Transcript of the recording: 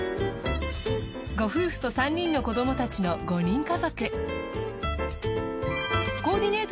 ご夫婦と３人の子どもたちの５人家族。